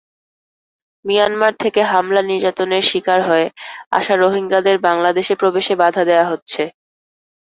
Myanmar থেকে হামলা-নির্যাতনের শিকার হয়ে আসা রোহিঙ্গাদের বাংলাদেশে প্রবেশে বাধা দেওয়া হচ্ছে।